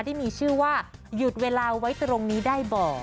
ที่มีชื่อว่าหยุดเวลาไว้ตรงนี้ได้บ่อ